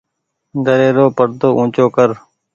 دري رو پڙدو اونچو ڪر۔